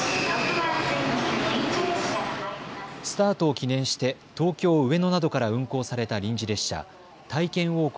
スタートを記念して東京上野などから運行された臨時列車、体験王国